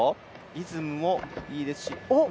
リズムもいいですし。